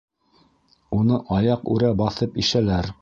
Уны аяҡ үрә баҫып ишәләр.